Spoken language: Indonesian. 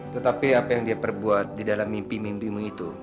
tetapi apa yang dia perbuat di dalam mimpi mimpimu itu